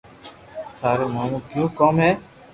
ٿارو مون ڪيوُ ڪوم ھي